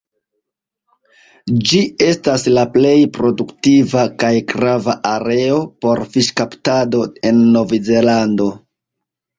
Ĝi estas la plej produktiva kaj grava areo por fiŝkaptado en Novzelando.